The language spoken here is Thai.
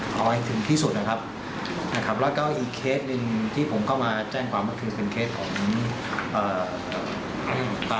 ครองที่ตอเป็นแบบที่ทำเศรษฐ์เพาะ